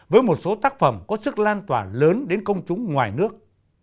với một số tác phẩm có sức lan tỏa lớn đến công chúng ngoài nước